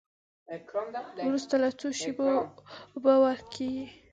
وروسته له څو شېبو اوبه ورکیږي.